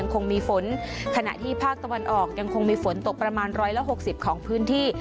คงมีฝนขณะที่ภาคตะวันออกยังคงมีฝนตกประมาณร้อยละหกสิบของพื้นที่